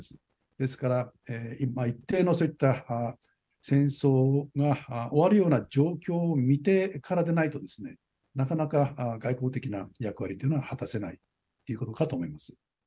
ですから今一定のそういった戦争が終わるような状況を見てからでないとですねなかなか外交的な役割というのは果たせないということかと思います。